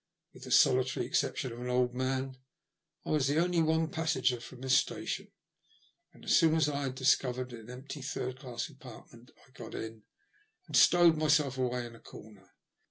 With the solitary exception of an old man I was the only passenger from this station ; and, as soon as I had discovered an empty third class compartment, I got in and stowed myself away in a comer.